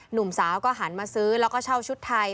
หนุ่มสาวก็หันมาซื้อแล้วก็เช่าชุดไทย